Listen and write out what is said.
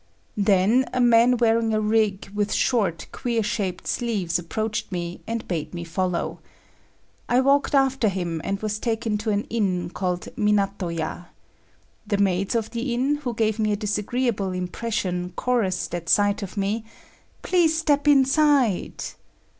Then a man wearing a rig with short, queer shaped sleeves approached me and bade me follow. I walked after him and was taken to an inn called Minato ya. The maids of the inn, who gave me a disagreeable impression, chorused at sight of me; "Please step inside."